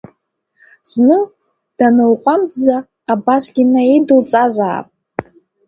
Зны, данылҟәамҵӡа абасгьы наидылҵазаап…